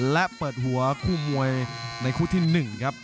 และเปิดหัวคู่มวยในคู่ที่๑ครับ